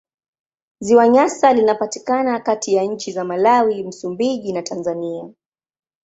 Ziwa Nyasa linapatikana kati ya nchi za Malawi, Msumbiji na Tanzania.